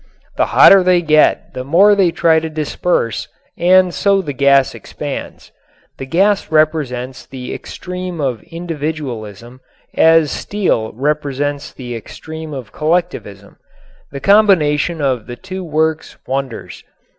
The hotter they get the more they try to disperse and so the gas expands. The gas represents the extreme of individualism as steel represents the extreme of collectivism. The combination of the two works wonders.